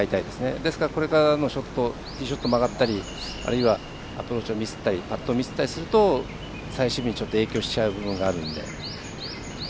ですから、これからティーショットが曲がったりあるいはアプローチをミスったりパットをミスったりすると最終日に影響しちゃうところがあるので。